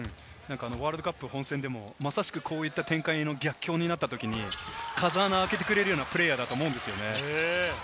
ワールドカップ本戦でもまさしくこういった展開の逆境になったときに風穴開けてくれるようなプレーヤーだと思うんですよね。